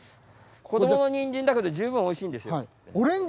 子どものニンジンだけど十分おいしいんですよ。